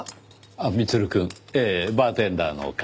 ああミツルくん。ええバーテンダーの彼。